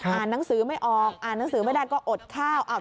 หนังสือไม่ออกอ่านหนังสือไม่ได้ก็อดข้าว